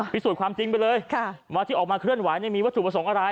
พิสูจน์ความจริงไปเลยว่าที่ออกมาเคลื่อนไหวมีวัตถุประสงค์อะไร